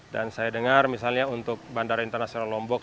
dan saya dengar misalnya untuk bandara internasional lombok